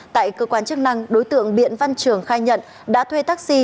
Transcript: tại cơ quan chức năng đối tượng biện văn trường khai nhận đã thuê taxi